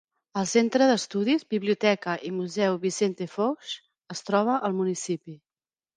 El Centre d'Estudis, Biblioteca i Museu Vicente Fox es troba al municipi.